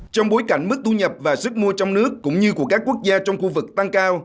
trong bối cảnh mức thu nhập và sức mua trong nước cũng như của các quốc gia trong khu vực tăng cao